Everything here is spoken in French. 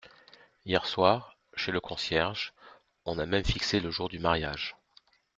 Hier soir, chez le concierge, on a même fixé le jour du mariage.